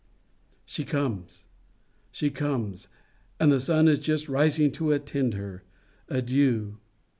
She comes! She comes! And the sun is just rising to attend her! Adieu!